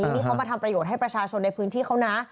นี่เขามาทำประโยชน์ให้ประชาชนในพื้นที่เขานะ